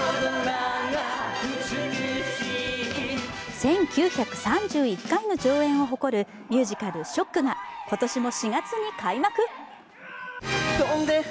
１９３１回の上演を誇るミュージカル「ＳＨＯＣＫ」が今年も４月に開幕。